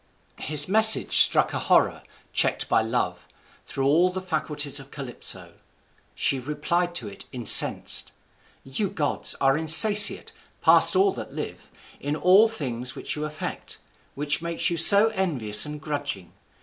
His message struck a horror, checked by love, through all the faculties of Calypso. She replied to it, incensed: "You gods are insatiate, past all that live, in all things which you affect; which makes you so envious and grudging.